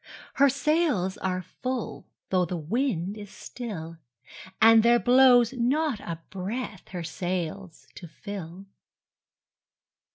Her sails are full,—though the wind is still, And there blows not a breath her sails to fill!